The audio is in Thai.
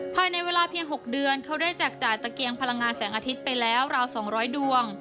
ภายในเวลาเพียง๖เดือนเขาได้แจกจ่ายตะเกียงพลังงานแสงอาทิตย์ไปแล้วราว๒๐๐ดวง